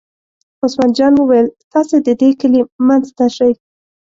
عثمان جان وویل: تاسې د دې کلي منځ ته شئ.